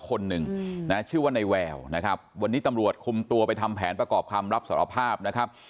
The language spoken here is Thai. คนหนึ่งนะชื่อว่าในแววนะครับวันนี้ตำรวจคุมตัวไปทำแผนประกอบคำรับสารภาพนะครับ